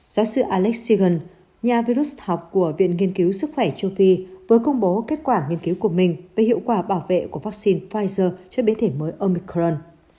giáo sư alex seagan nhà virus học của viện nghiên cứu sức khỏe châu phi vừa công bố kết quả nghiên cứu của mình về hiệu quả bảo vệ của vaccine pfizer cho biến thể mới omicron